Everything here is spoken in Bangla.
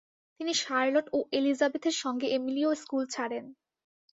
তিনি শার্লট ও এলিজাবেথের সঙ্গে এমিলিও স্কুল ছাড়েন।